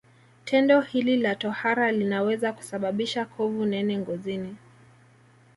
Tendo hili la tohara linaweza kusababisha kovu nene ngozini